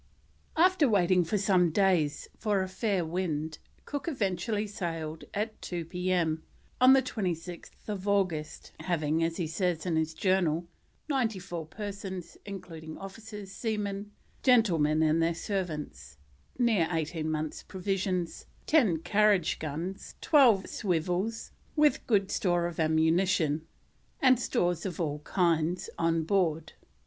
After waiting for some days for a fair wind, Cook eventually sailed at 2 P.M. on 26th August, having, as he says in his Journal, "94 persons, including officers, seamen, Gentlemen and their servants; near 18 months' provisions, 10 carriage guns, 12 swivels, with good store of ammunition, and stores of all kinds" on board.